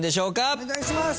お願いします。